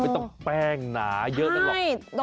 ไม่ต้องแป้งหนาเยอะนั่นหรอก